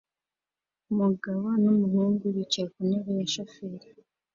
umugabo n'umuhungu bicaye ku ntebe ya shoferi